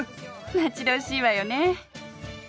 待ち遠しいわよね。